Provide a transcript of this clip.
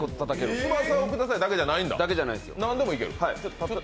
「翼をください」だけじゃないんだ。